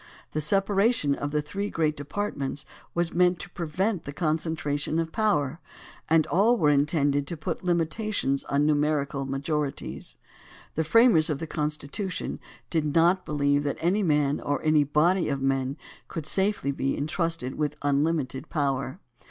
The separation of the three great dep;a<rtments was meant to prevent the concentration of power, and all were intended to put limitations upon numerical majorities. The framers of the Constitution did not believe that any man or any body of men could safely be intrusted with un limited power.